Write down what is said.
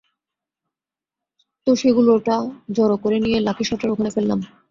তো সেগুলোটা জড়ো করে নিয়ে লাকি শটের ওখানে ফেললাম।